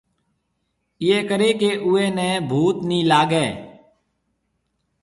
ايئيَ ڪرَي ڪہ اوئيَ ني ڀُوت نِي لاگيَ